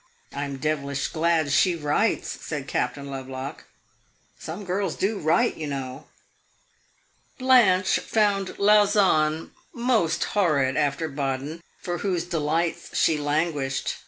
"I 'm devilish glad she writes," said Captain Lovelock; "some girls do write, you know." Blanche found Lausanne most horrid after Baden, for whose delights she languished.